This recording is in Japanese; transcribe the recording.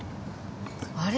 あれ？